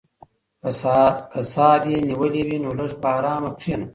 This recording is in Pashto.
که ساه دې نیولې وي نو لږ په ارامه کښېنه.